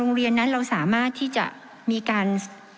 โรงเรียนนั้นเราสามารถที่จะมีการ